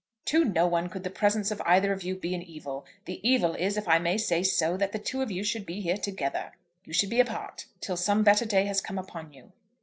"To no one could the presence of either of you be an evil. The evil is, if I may say so, that the two of you should be here together. You should be apart, till some better day has come upon you."